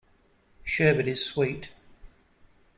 Sherbet is sweet.